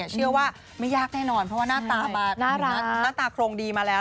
เชื่อว่าไม่ยากแน่นอนเพราะว่าหน้าตาคลมดีมาแล้ว